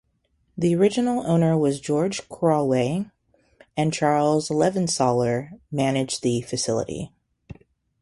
The original owner was George Crowey and Charles Levansaler managed the facility.